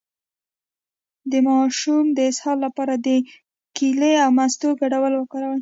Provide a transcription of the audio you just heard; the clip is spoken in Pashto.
د ماشوم د اسهال لپاره د کیلې او مستو ګډول وکاروئ